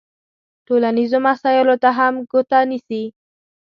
ټولنیزو مسایلو ته هم ګوته نیسي.